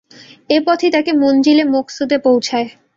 এ পথই তাকে মনযিলে মকসুদে পৌঁছায়।